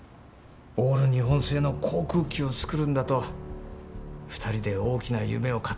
オール日本製の航空機を作るんだと２人で大きな夢を語り合っていたので。